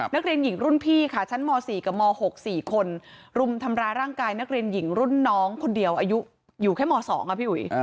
นักเรียนหญิงรุ่นพี่ค่ะชั้นม๔กับม๖๔คนรุมทำร้ายร่างกายนักเรียนหญิงรุ่นน้องคนเดียวอายุอยู่แค่ม๒อ่ะพี่อุ๋ย